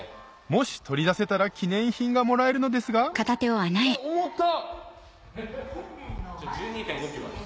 もし取り出せたら記念品がもらえるのですがこれ１２ｋｇか。